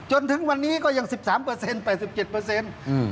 จนถึงวันนี้ก็ยังสิบสามเปอร์เซ็นแปดสิบเจ็ดเปอร์เซ็นต์อืม